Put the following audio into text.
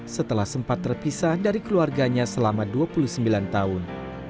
setelah sempat terpisah dari keluarganya selama dua puluh sembilan tahun